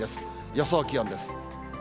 予想気温です。